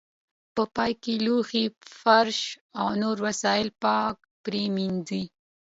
په پای کې لوښي، برش او نور وسایل پاک پرېمنځئ.